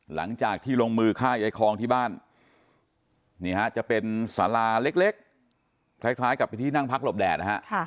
หลังจากที่ลงมือฆ่ายายคองที่บ้านนี่ฮะจะเป็นสาราเล็กคล้ายกับพิธีนั่งพักหลบแดดนะฮะ